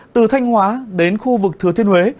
từ thanh hóa đến khu vực thừa thiên huế